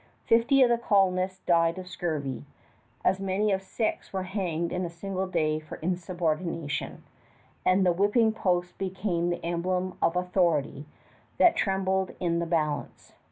Fifty of his colonists died of scurvy. As many as six were hanged in a single day for insubordination, and the whipping post became the emblem of an authority that trembled in the balance.